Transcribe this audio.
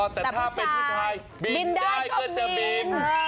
แต่ถ้าเป็นผู้ชายบินได้ก็จะบิน